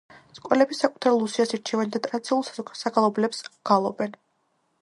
სკოლები საკუთარ ლუსიას ირჩევენ და ტრადიციულ საგალობლებს გალობენ.